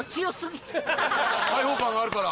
開放感があるから。